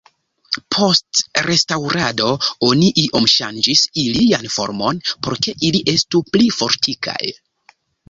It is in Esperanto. Post restaŭrado oni iom ŝanĝis ilian formon por ke ili estu pli fortikaj.